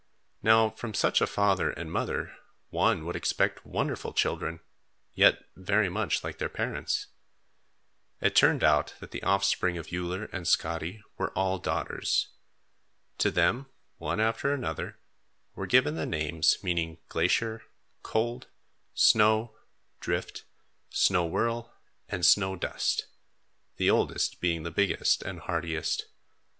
Now from such a father and mother one would expect wonderful children, yet very much like their parents. It turned out that the offspring of Uller and Skadi were all daughters. To them one after another were given the names meaning Glacier, Cold, Snow, Drift, Snow Whirl, and Snow Dust, the oldest being the biggest and hardiest.